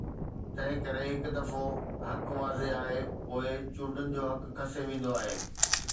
تنهن ڪري، هڪ دفعو حق واضح آهي، پوء چونڊڻ جو حق کسي ويندو آهي.